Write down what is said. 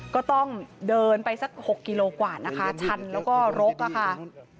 ก็ต้องเดินไปสัก๖กิโลกว่านะคะชันแล้วก็รกอะค่ะ